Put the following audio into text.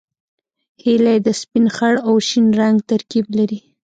هیلۍ د سپین، خړ او شین رنګ ترکیب لري